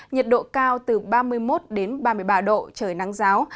nhiệt độ cao từ ba mươi một đến ba mươi ba độ trời nắng giáo